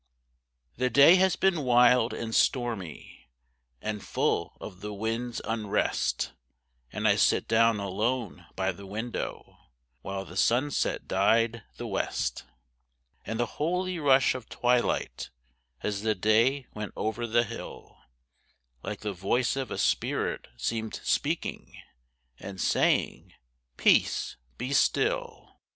REVERIE The day has been wild and stormy, And full of the wind's unrest, And I sat down alone by the window, While the sunset dyed the West; And the holy rush of twilight, As the day went over the hill, Like the voice of a spirit seemed speaking And saying, 'Peace be still.'